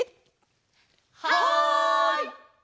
はい！